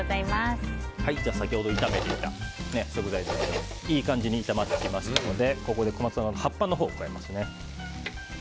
先ほど炒めていた食材がいい感じに炒まってきましたのでここでコマツナの葉っぱを加えます。